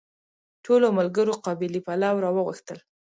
ټولو ملګرو قابلي پلو راوغوښتل.